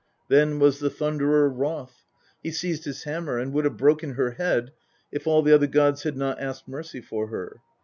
Then was the Thunderer wroth ! He seized his hammer, and would have broken her head it all the other gods had not asked mercy for her.